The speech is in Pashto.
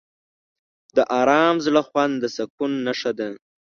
د آرام زړه خوند د سکون نښه ده.